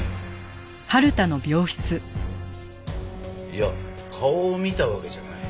いや顔を見たわけじゃない。